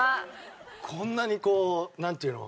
こんなにこうなんていうの？